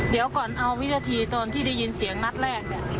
เดี๋ยวก่อนเอาวิวชัดทีตอนที่ได้ยินเสียงลักษณ์แรก